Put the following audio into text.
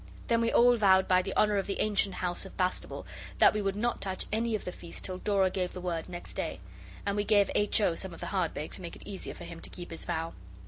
Then we all vowed by the honour of the ancient House of Bastable that we would not touch any of the feast till Dora gave the word next day. And we gave H. O. some of the hardbake, to make it easier for him to keep his vow.